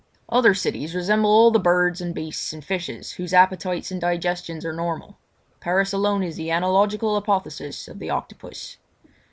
Other cities resemble all the birds and beasts and fishes whose appetites and digestions are normal. Paris alone is the analogical apotheosis of the octopus.